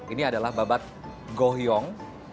ini adalah babat gohiong